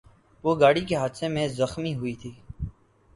وہ گاڑی کے حادثے میں زخمی ہوئی تھی